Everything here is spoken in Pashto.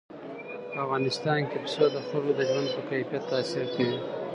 په افغانستان کې پسه د خلکو د ژوند په کیفیت تاثیر کوي.